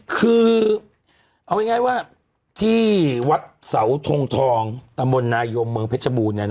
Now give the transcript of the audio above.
คือเอาง่ายว่าที่วัดสาวทรงทองตนายมเมืองเพชรบูนเนี่ยนะ